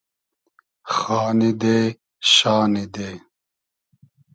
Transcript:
خانی دې شانی دې